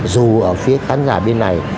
dù ở phía khán giả bên này